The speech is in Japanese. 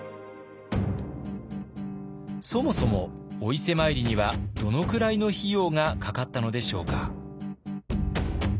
そもそもお伊勢参りにはどのくらいの費用がかかったのでしょうか。